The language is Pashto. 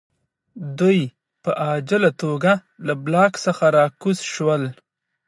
دوی په عاجله توګه له بلاک څخه راکوز شول